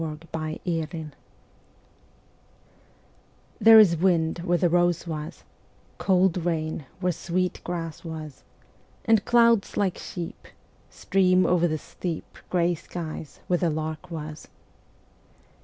Y Z November THERE is wind where the rose was, Cold rain where sweet grass was, And clouds like sheep Stream o'er the steep Grey skies where the lark was.